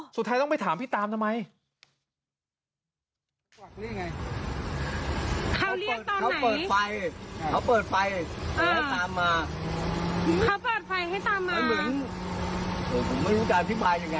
สุดท้ายต้องไปถามพี่ตามทำไม